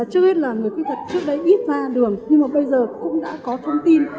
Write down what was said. trước hết là người khuyết tật trước đây ít ra đường nhưng mà bây giờ cũng đã có thông tin